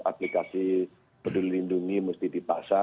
aplikasi peduli lindungi mesti dipaksa